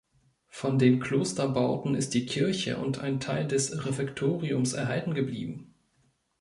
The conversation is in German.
Von den Klosterbauten ist die Kirche und ein Teil des Refektoriums erhalten geblieben.